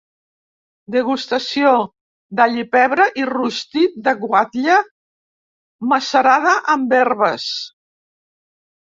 Degustació d’allipebre i rostit de guatla macerada amb herbes.